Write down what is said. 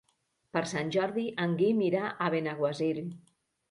Per Sant Jordi en Guim irà a Benaguasil.